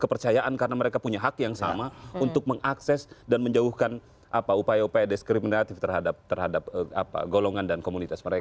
kepercayaan karena mereka punya hak yang sama untuk mengakses dan menjauhkan upaya upaya diskriminatif terhadap golongan dan komunitas mereka